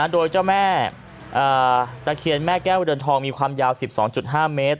โดยเจ้าแม่ตะเคียนแม่แก้วเรือนทองมีความยาว๑๒๕เมตร